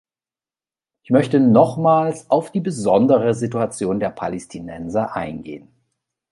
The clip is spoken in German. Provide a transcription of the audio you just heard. Ich möchte nochmals auf die besondere Situation der Palästinenser eingehen.